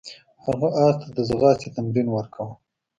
هغه اس ته د ځغاستې تمرین ورکاوه.